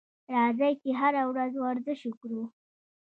راځئ چې هره ورځ ورزش وکړو.